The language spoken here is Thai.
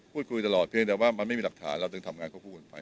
พูดคุยตลอดเพียงแต่ว่ามันไม่มีหลักฐานเราต้องทำงานพูดไป